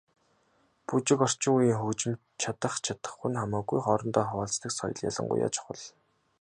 Бүжиг, орчин үеийн хөгжимд чадах чадахгүй нь хамаагүй хоорондоо хуваалцдаг соёл ялангуяа чухал.